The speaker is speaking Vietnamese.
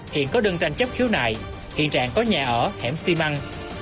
hiện có đơn tranh chấp khiếu nại hiện trạng có nhà ở hẻm xi măng